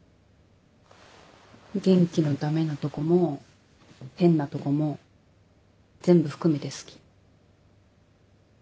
元気のダメなとこも変なとこも全部含めて好き。